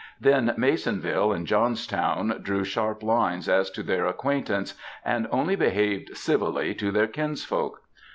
Then, Masonville and Johnstown drew sharp lines as to their acquaintance, and only behaved civilly to their kins folk.